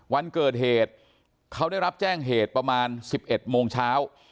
วันเกิดเหตุเขาได้รับแจ้งเหตุประมาณ๑๑โมงเช้า